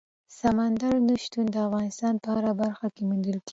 سمندر نه شتون د افغانستان په هره برخه کې موندل کېږي.